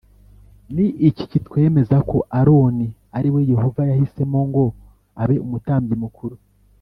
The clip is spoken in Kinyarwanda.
Ni iki kitwemeza ko aroni ari we yehova yahisemo ngo abe umutambyi mukuru